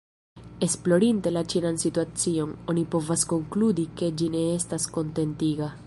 Esplorinte la ĉinan situacion, oni povas konkludi ke ĝi ne estas kontentiga.